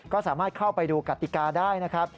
ก็สามารถเข้าไปดูกติกาได้นะครับ